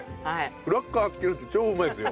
クラッカー付けると超うまいですよ。